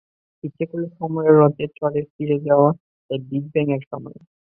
ইচ্ছে করলে সময়ের রথে চড়ে ফিরে যাওয়া যায় বিগ ব্যাংয়ের সময়ে।